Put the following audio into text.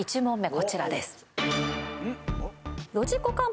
こちらです